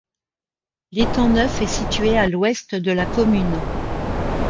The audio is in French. L'étang Neuf est situé à l'ouest de la commune.